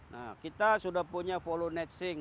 nah kita sudah punya follow net sync